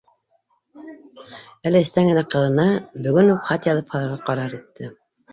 Әле эстән генә ҡыҙына бөгөн үк хат яҙып һалырға ҡарар итте